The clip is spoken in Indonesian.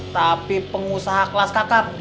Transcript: tapi pengusaha kelas kakak